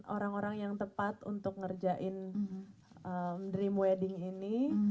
orang orang yang tepat untuk ngerjain dream wedding ini